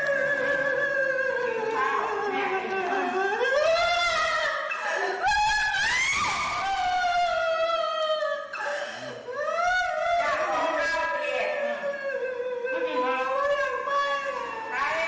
ไม่มากกว่าทุกวันใด